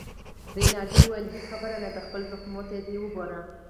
رینالډي وویل: هیڅ خبره نه ده، خپلو زخمو ته دې وګوره.